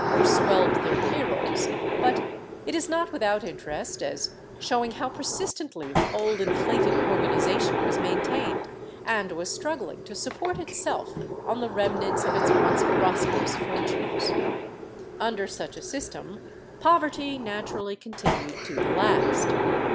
ho swelled their pay rolls, but it is not without interest as showing how persistently the old inflated organization was maintained, and was struggling to support itself on the rem nants of its once prosperous fortunes. Under such a system, poverty naturally continued to the last.